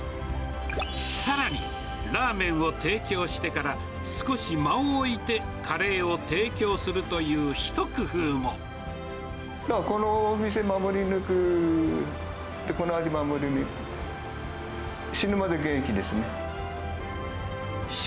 さらにラーメンを提供してから少し間を置いてカレーを提供するとこの店守り抜く、この味守り抜く。